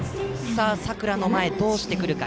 佐倉の前、どうしてくるか。